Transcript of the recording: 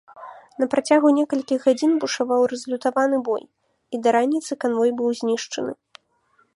На працягу некалькіх гадзін бушаваў разлютаваны бой, і да раніцы канвой быў знішчаны.